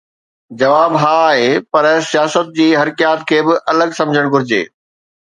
جواب ها آهي، پر سياست جي حرڪيات کي به الڳ سمجهڻ گهرجي.